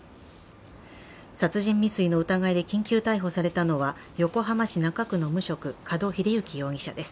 殺人未遂の疑いで緊急逮捕されたのは、横浜市中区の無職門英行容疑者です。